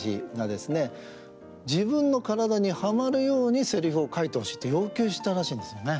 「自分の身体にハマるようにセリフを書いてほしい」って要求したらしいんですよね。